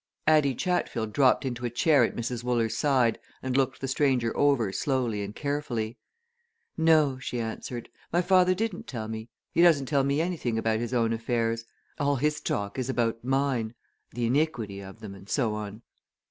Addie Chatfield dropped into a chair at Mrs. Wooler's side, and looked the stranger over slowly and carefully. "No," she answered. "My father didn't tell me he doesn't tell me anything about his own affairs. All his talk is about mine the iniquity of them, and so on."